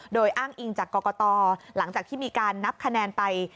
โดยอ้างอิงจากกรกตหลังจากที่มีการนับคะแนนไป